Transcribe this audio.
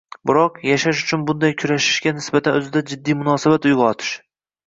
Biroq, yashash uchun bunday kurashishga nisbatan o‘zida jiddiy munosabat uyg‘otish